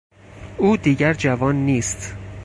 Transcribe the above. او دیگر جوان نیست.